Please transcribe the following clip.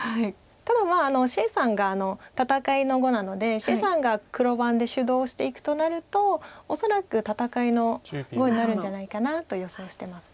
でもまあ謝さんが戦いの碁なので謝さんが黒番で主導していくとなると恐らく戦いの碁になるんじゃないかなと予想してます。